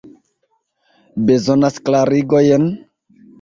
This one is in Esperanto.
Bezonas klarigojn?